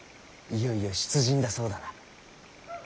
いよいよ出陣だそうだな。